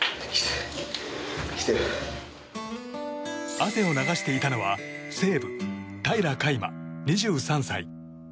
汗を流していたのは西武、平良海馬、２３歳。